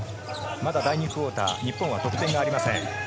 まだ第２クオーター、日本は得点がありません。